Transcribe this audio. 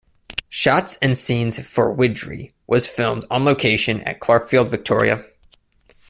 Shots and scenes for Widgeree was filmed on location at Clarkefield, Victoria.